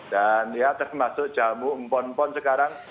dan ya termasuk jamu mpon mpon sekarang